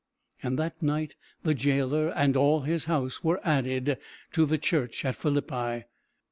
And that night the jailer and all his house were added to the church at Philippi.